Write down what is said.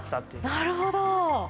なるほど。